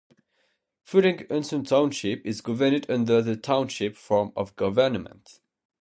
Frelinghuysen Township is governed under the Township form of government.